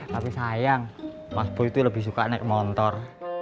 tapi sayang mas boy tuh lebih suka naik motor